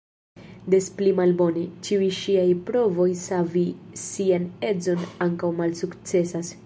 Des pli malbone, ĉiuj ŝiaj provoj savi sian edzon ankaŭ malsukcesas.